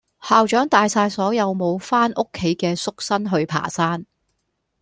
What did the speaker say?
校長帶晒所有無返屋企嘅宿生去爬山